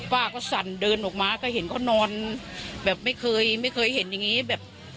ป้าก็สั่นเดินออกมาก็เห็นเขานอนแบบไม่เคยไม่เคยเห็นอย่างนี้แบบ